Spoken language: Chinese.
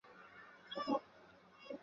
瓦尔代里耶人口变化图示